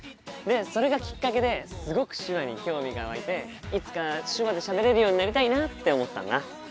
それがきっかけですごく手話に興味が湧いていつか手話でしゃべれるようになりたいなって思ったんだ。